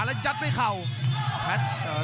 กรรมการเตือนทั้งคู่ครับ๖๖กิโลกรัม